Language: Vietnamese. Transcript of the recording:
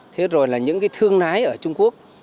thế rồi những thương nái ở trung quốc